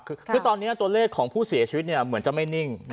คือตอนนี้ตัวเลขของผู้เสียชีวิตเหมือนจะไม่นิ่ง